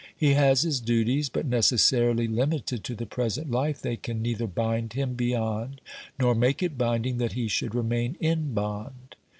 He has his duties, but, necessarily Umited to the present life, they can neither bind him beyond nor make it binding that he should remain in bond.